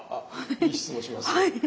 いい質問しますね。